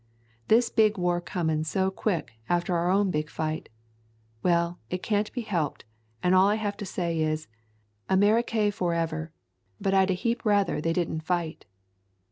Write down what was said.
"This big war comin' so quick after our own big fight. Well, it can't be helped, and all I have to say is, Amerricay for ever, but I'd a heap rather they did n't fight."